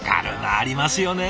ありますよね